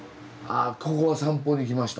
ここを散歩に来ました。